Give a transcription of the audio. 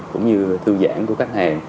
cũng như thư giãn của khách hàng